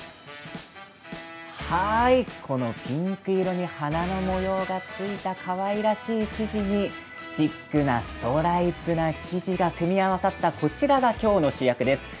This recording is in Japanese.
このピンク色に花の模様がついたかわいらしい生地にストライプの生地が組み合わさったこちらが今日の主役です。